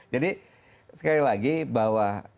jadi sekali lagi bahwa